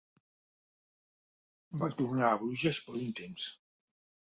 Va tornar a Bruges per un temps.